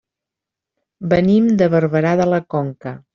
Venim de Barberà de la Conca.